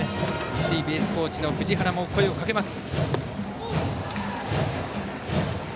一塁ベースコーチの藤原も声をかけます。